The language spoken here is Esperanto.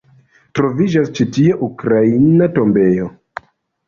Troviĝas ĉi tie ukraina tombejo.